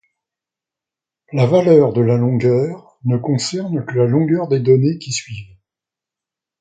La valeur de la longueur ne concerne que la longueur des données qui suivent.